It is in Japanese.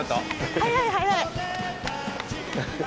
速い速い。